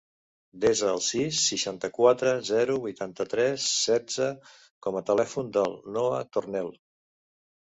Desa el sis, seixanta-quatre, zero, vuitanta-tres, setze com a telèfon del Noah Tornel.